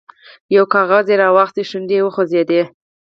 یو کاغذ ور واخیست، شونډې یې وخوځېدې.